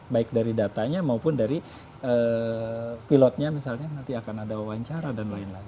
baik dari datanya maupun dari pilotnya misalnya nanti akan ada wawancara dan lain lain